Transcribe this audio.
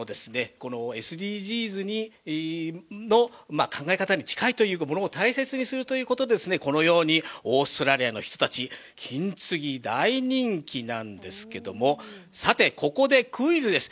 ＳＤＧｓの考え方に近い、物を大切にするということでこのようにオーストラリアの人たち金継ぎ大人気なんですけども、さて、ここでクイズです。